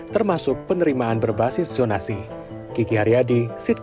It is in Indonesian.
termasuk penerimaan berbasis zonasi